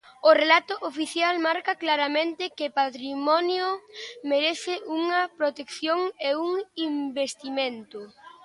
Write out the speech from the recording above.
O relato oficial marca claramente que patrimonio merece unha protección e un investimento.